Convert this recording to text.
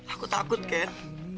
aku takut ken